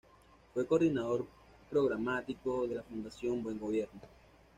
Fue coordinador programático de la Fundación Buen Gobierno.